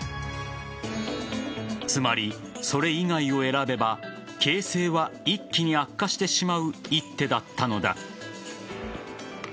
つまり、それ以外を選べば形勢は一気に悪化してしまう一手だったのだ。